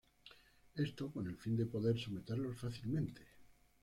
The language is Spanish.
Esto con el fin de poder someterlos fácilmente.